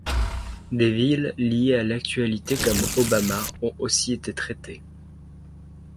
Des villes liées à l'actualité comme Obama ont aussi été traités.